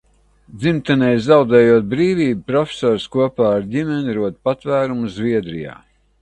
Dzimtenei zaudējot brīvību, profesors kopā ar ģimeni rod patvērumu Zviedrijā.